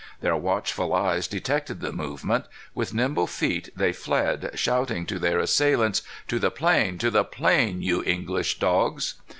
Their watchful eyes detected the movement. With nimble feet, they fled, shouting to their assailants, "To the plain, to the plain, you English dogs."